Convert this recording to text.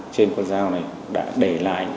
trên con dao này đã để lại